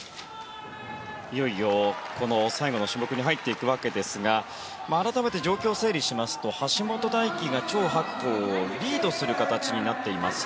いよいよ最後の種目に入っていくわけですが改めて状況を整理しますと橋本大輝がチョウ・ハクコウをリードする形になっています。